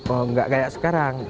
oh enggak kayak sekarang